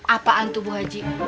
apaan tuh bu haji